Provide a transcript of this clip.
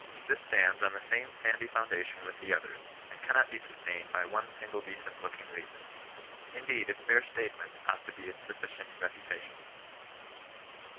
This stands on the same sandy foundation with the others, and cannot be sustained by one single decent looking reason. Indeed, its bare statement ought to be its sufficient refutation.